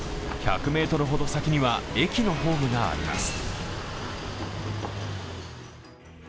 １００ｍ先には駅のホームがあります。